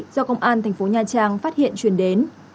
do công an thành phố nha trang phát hiện truyền đến